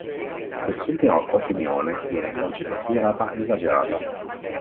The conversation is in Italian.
Quest'ultima opinione viene oggi considerata esagerata.